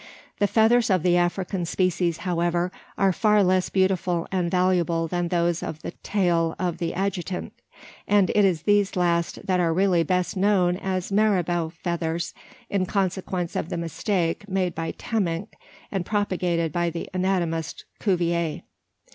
The feathers of the African species, however, are far less beautiful and valuable than those from the tail of the adjutant; and it is these last that are really best known as marabout feathers, in consequence of the mistake made by Temminck, and propagated by the anatomist Cuvier.